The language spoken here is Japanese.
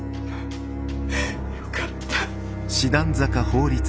よかった。